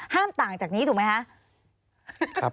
ต่างจากนี้ถูกไหมคะ